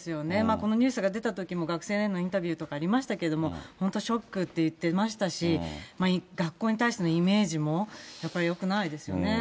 このニュースが出たときも、学生へのインタビューとかありましたけれども、本当、ショックって言ってましたし、学校に対してのイメージもやっぱりよくないですよね。